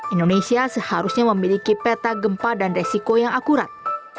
indonesia seharusnya memiliki peta gempa dan resiko yang akurat